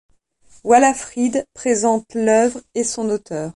Walafrid présente l’œuvre et son auteur.